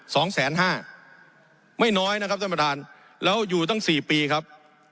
สองแสนห้าไม่น้อยนะครับท่านประธานแล้วอยู่ตั้งสี่ปีครับ